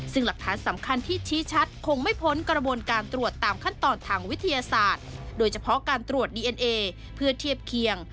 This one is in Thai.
ซึ่งหลักฐานสำคัญที่ชี้ชัดคงไม่พ้นกระบวนการตรวจตามขั้นตอนทางวิทยาศาสตร์โดยเฉพาะการตรวจดีเอ็นเอเพื่อเทียบเคียง